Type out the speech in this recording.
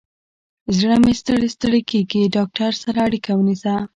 زړه مې ستړی ستړي کیږي، ډاکتر سره اړیکه ونیسه